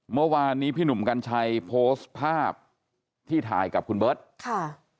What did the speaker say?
เมื่อวานนี้พี่หนุ่มกัญชัยโพสต์ภาพที่ถ่ายกับคุณเบิร์ตค่ะ